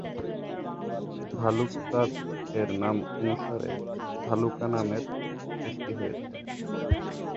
ভালুক চাঁদ এর নামানুসারে ভালুকা নামের সৃষ্টি হয়েছে।